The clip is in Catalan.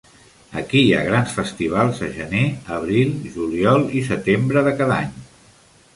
Aquí hi ha grans festivals a gener, abril, juliol i setembre de cada any.